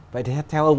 vậy thì theo ông